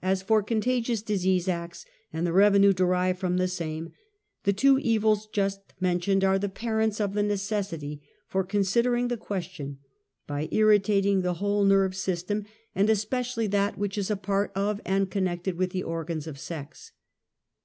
As for contagious disease acts^ and the revenue de rived from the same; the two evils just mentioned are the parents of the necessity for considering the question, by irritating the whole nerve system, and SOCIAL EVIL. 128 ^especially that wliicli is apart of and connected with the organs of sex.